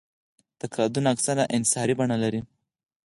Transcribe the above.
دا قراردادونه اکثراً انحصاري بڼه لري